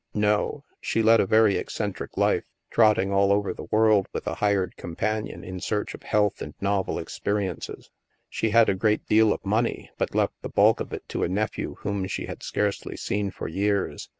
"No. She led a very eccentric life; trotting all over the world with a hired companion, in search of health and novel experiences. She had a great deal of money, but she left the bulk of it to a nephew whom she had scarcely seen for years.